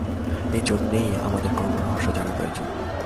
এই জন্যই আমাদের কর্মরহস্য জানা প্রয়োজন।